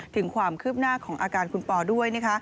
ถึงความคืบหน้าของอาการคุณปอด้วยนะคะ